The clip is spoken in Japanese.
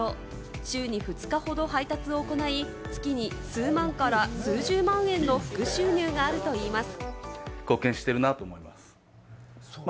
週に２日ほど配達を行い、月に数万から数十万円の副収入があるといいます。